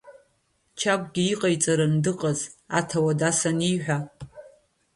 Чагәгьы иҟаиҵаран дыҟааз, аҭауад ас аниҳәа…